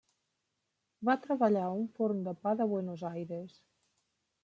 Va treballar a un forn de pa de Buenos Aires.